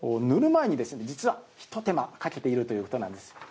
塗る前に、実はひと手間かけているということなんです。